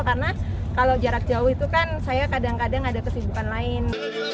karena kalau jarak jauh itu kan saya kadang kadang ada kesibukan lain